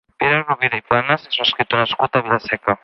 Pere Rovira i Planas és un escriptor nascut a Vila-seca.